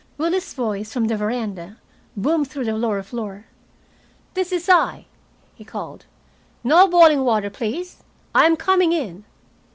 Willie's voice from the veranda boomed through the lower floor. "This is I," he called, "No boiling water, please. I am coming in."